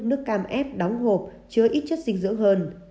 nước cam ép đóng hộp chứa ít chất dinh dưỡng hơn